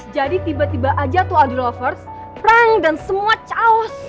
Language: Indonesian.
jadi tiba tiba aja tuh aldi lovers prank dan semua caos